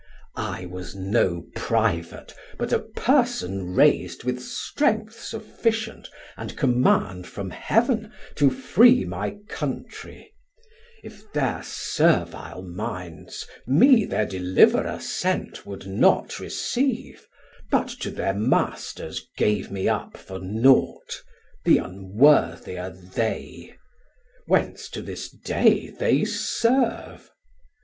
1210 I was no private but a person rais'd With strength sufficient and command from Heav'n To free my Countrey; if their servile minds Me their Deliverer sent would not receive, But to thir Masters gave me up for nought, Th' unworthier they; whence to this day they serve.